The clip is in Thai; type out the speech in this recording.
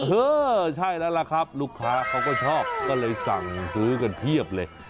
เออใช่แล้วล่ะครับลูกค้าเขาก็ชอบก็เลยสั่งซื้อกันเพียบเลย